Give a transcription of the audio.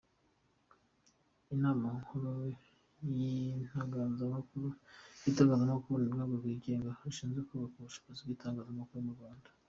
Inama Nkuru y’Itangazamakuru ni Urwego rwigenga rushinzwe kubaka ubushobozi bw’Itangazamakuru mu Rwanda.